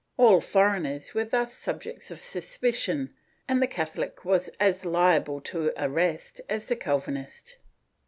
All foreigners were thus objects of suspicion, and the Catholic was as liable to arrest as the Calvinist.